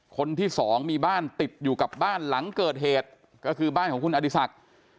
คนที่สองมีบ้านติดอยู่กับบ้านหลังเกิดเหตุก็คือบ้านของคุณอดีศักดิ์